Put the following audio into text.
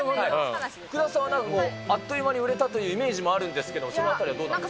福田さんはあっという間に売れたというイメージもあるんですが、そのあたりどうですか。